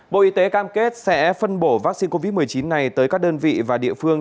bộ y tế cam kết sẽ phân bổ vaccine covid một mươi chín này tới các đơn vị và địa phương